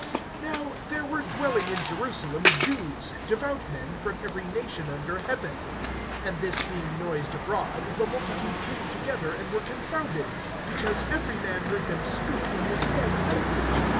(5)Now there were dwelling in Jerusalem, Jews, devout men, from every nation under heaven. (6)And this being noised abroad[2:6], the multitude came together, and were confounded, because every man heard them speak in his own language.